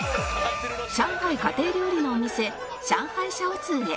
上海家庭料理のお店上海小吃へ